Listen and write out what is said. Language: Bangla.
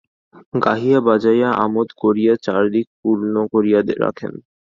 গাহিয়া বাজাইয়া, আমােদ করিয়া চারিদিক পূর্ণ করিয়া রাখেন।